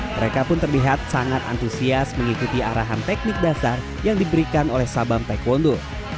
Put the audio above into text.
mereka pun terlihat sangat antusias mengikuti arahan teknik dasar yang diberikan oleh sabang taekwondo